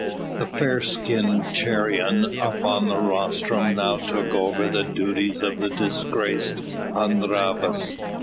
The fair skinned Cheiron up on the rostrum now took over the duties of the disgraced Hun Rhavas.